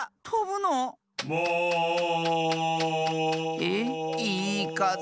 えっ⁉いいかぜ！